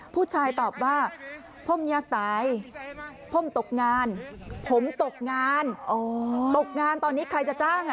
ผู้ชายตอบว่าผมอยากตายผมตกงานผมตกงานตกงานตอนนี้ใครจะจ้างอ่ะ